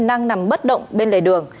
đang nằm bất động bên lề đường